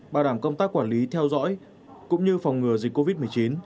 bảo đảm công tác quản lý theo dõi cũng như phòng ngừa dịch covid một mươi chín